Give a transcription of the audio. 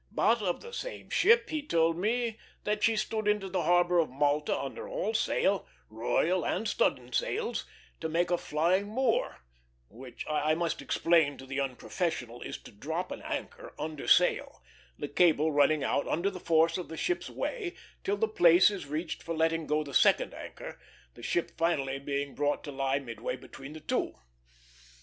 But of the same ship he told me that she stood into the harbor of Malta under all sail, royal and studding sails, to make a flying moor; which, I must explain to the unprofessional, is to drop an anchor under sail, the cable running out under the force of the ship's way till the place is reached for letting go the second anchor, the ship finally being brought to lie midway between the two.